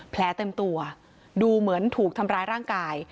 แผลเต็มตัวดูเหมือนถูกทำร้ายร่างกาย